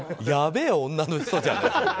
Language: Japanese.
やべえ女の人じゃん。